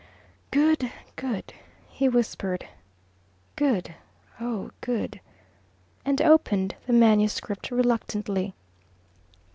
"Good! good!" he whispered. "Good, oh good!" and opened the manuscript reluctantly.